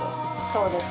そうです。